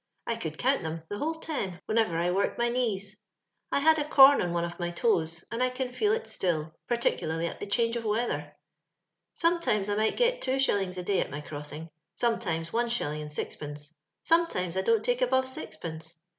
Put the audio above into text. I eoald count them, the whole ten, whenerer I woric my knees. I had a com on one of n^ and I can feel it still, 5particnlai)y at the c ofweather. "Sometimes I might get two shillinyardiy at my crossing, sometimes one shUhng and sizpenoe, sometimes I dont take above siz^ pence.